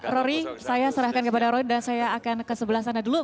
rory saya serahkan kepada roy dan saya akan ke sebelah sana dulu